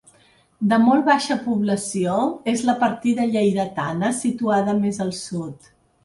De molt baixa població, és la partida lleidatana situada més al sud.